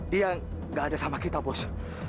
dia nggak ada sama kita bos